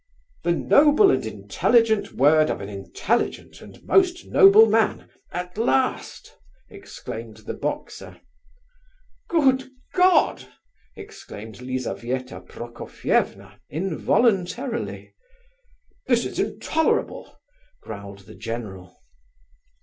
"The noble and intelligent word of an intelligent and most noble man, at last!" exclaimed the boxer. "Good God!" exclaimed Lizabetha Prokofievna involuntarily. "This is intolerable," growled the general.